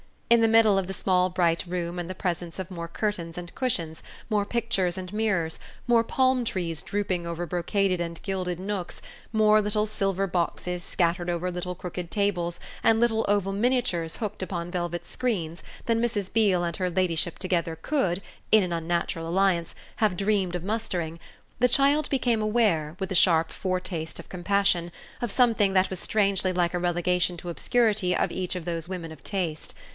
In the middle of the small bright room and the presence of more curtains and cushions, more pictures and mirrors, more palm trees drooping over brocaded and gilded nooks, more little silver boxes scattered over little crooked tables and little oval miniatures hooked upon velvet screens than Mrs. Beale and her ladyship together could, in an unnatural alliance, have dreamed of mustering, the child became aware, with a sharp foretaste of compassion, of something that was strangely like a relegation to obscurity of each of those women of taste.